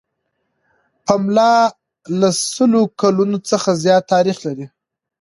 پملا له سلو کلونو څخه زیات تاریخ لري.